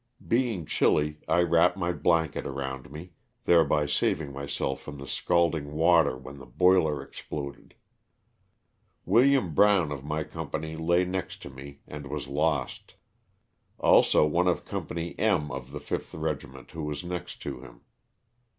Being chilly I wrapped my blanket around me, thereby saving myself from the scalding water when the boiler exploded. Wm. Brown of my company lay next to me and was lost. Also one of Company M of the 5th regi ment who was next to him.